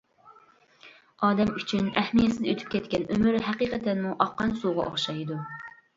ئادەم ئۈچۈن ئەھمىيەتسىز ئۆتۈپ كەتكەن ئۆمۈر ھەقىقەتەنمۇ ئاققان سۇغا ئوخشايدۇ.